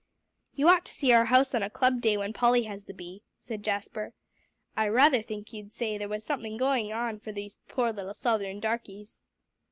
"You ought to see our house on club day when Polly has the bee," said Jasper. "I rather think you'd say there was something going on for those poor little Southern darkies."